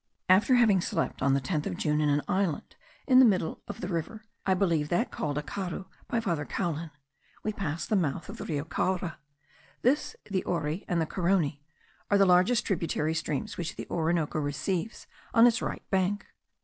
After having slept on the 10th of June in an island in the middle of the river (I believe that called Acaru by Father Caulin), we passed the mouth of the Rio Caura. This, the Aruy and the Carony, are the largest tributary streams which the Orinoco receives on its right bank.